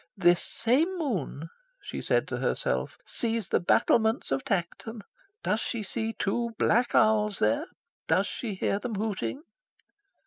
"This same moon," she said to herself, "sees the battlements of Tankerton. Does she see two black owls there? Does she hear them hooting?"